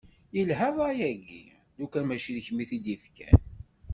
Yelha ṛṛay-agi, lukan mačči d kemm i t-id-yefkan.